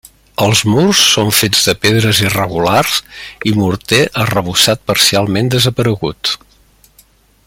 Els murs són fets de pedres irregulars i morter arrebossat parcialment desaparegut.